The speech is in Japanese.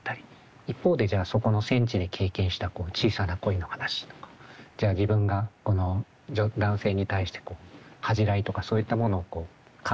一方でじゃあそこの戦地で経験した小さな恋の話とかじゃあ自分がこの男性に対して恥じらいとかそういったものをこう感じたり。